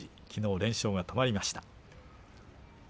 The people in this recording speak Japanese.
きのう連勝が止まりました。